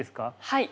はい。